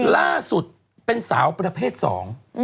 ล่าสุดเป็นสาวประเภทสอง